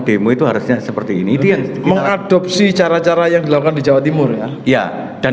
demo itu harusnya seperti ini dia mengadopsi cara cara yang dilakukan di jawa timur ya dan